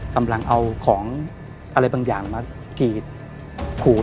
กำลังเอาของอะไรบางอย่างมากีดขูด